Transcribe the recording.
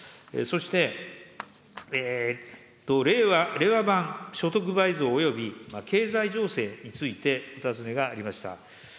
そして、令和版所得倍増および経済情勢についてお尋ねがありました。